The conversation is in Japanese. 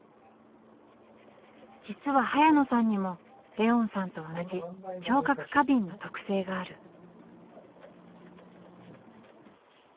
実は早野さんにもレオンさんと同じ聴覚過敏の特性がある。